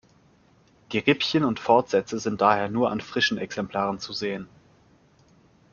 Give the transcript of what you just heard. Die Rippchen und Fortsätze sind daher nur an frischen Exemplaren zu sehen.